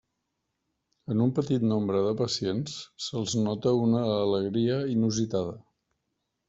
En un petit nombre de pacients, se'ls nota una alegria inusitada.